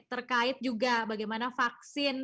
terkait juga bagaimana vaksin